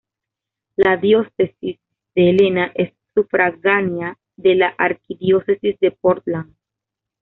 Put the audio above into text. La Diócesis de Helena es sufragánea de la Arquidiócesis de Portland.